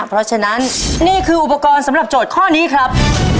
เพราะฉะนั้นนี่คืออุปกรณ์สำหรับโจทย์ข้อนี้ครับ